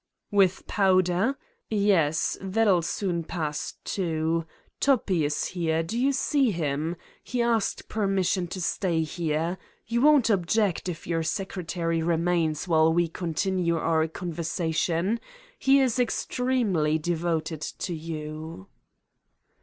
"With powder? Yes, that'll soon pass, too. Toppi is here. Do you see him? He asked permis sion to stay here. You won't object if your sec retary remains while we continue our conversa tion? He is extremely devoted to you."